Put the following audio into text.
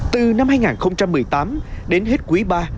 từ năm hai nghìn một mươi tám đến hết cuộc đời